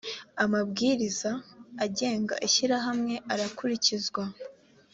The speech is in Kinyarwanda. amabwiriza agenga ishyirahamwe arakurikizwa